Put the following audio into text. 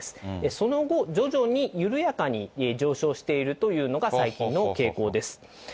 その後、徐々に緩やかに上昇しているというのが最近の傾向です。